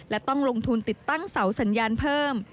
และต้องลงทุนติดตั้งเสาสัญญาณเพิ่ม